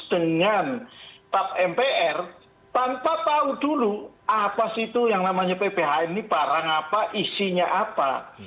dengan tap mpr tanpa tahu dulu apa sih itu yang namanya pphn ini barang apa isinya apa